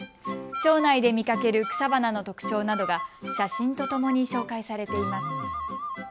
町内で見かける草花の特徴などが写真とともに紹介されています。